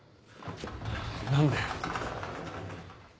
何で。